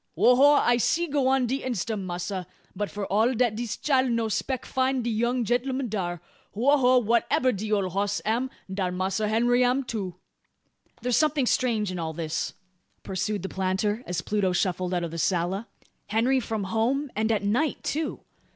"Ho ho! I'se go on de instum, massr; but f'r all dat dis chile no speck find de young genl'um dar. Ho! ho! wha'ebber de ole hoss am, darr Massr Henry am too." "There's something strange in all this," pursued the planter, as Pluto shuffled out of the sala. "Henry from home; and at night too.